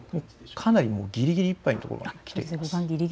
かなりぎりぎりいっぱいのところまで来ています。